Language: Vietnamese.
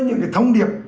những cái thông điệp